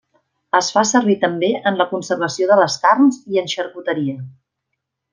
Es fa servir també en la conservació de les carns i en xarcuteria.